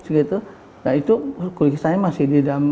nah itu kondisi saya masih di dalam